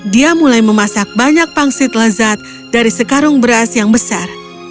dia mulai memasak banyak pangsit lezat dari sekarung beras yang besar